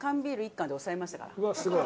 うわっすごい。